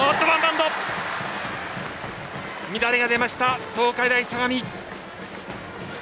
乱れが出ました、東海大相模。